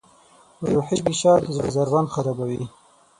روحي فشار د زړه ضربان خرابوي.